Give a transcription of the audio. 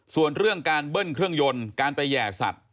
ส่วนเรื่องการเบิ้ลเครื่องยนต์การไปแห่สัตว